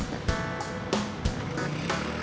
saya mau beli beras